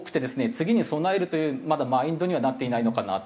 次に備えるというマインドにはなっていないのかなと。